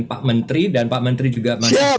pak menteri dan pak menteri juga